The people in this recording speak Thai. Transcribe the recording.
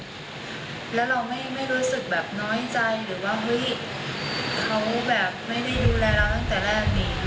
แล้วเราไม่รู้สึกแบบน้อยใจหรือว่าเฮ้ยเขาแบบไม่ได้ดูแลเราตั้งแต่แรกนี้